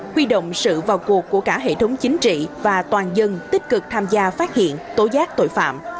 huy động sự vào cuộc của cả hệ thống chính trị và toàn dân tích cực tham gia phát hiện tố giác tội phạm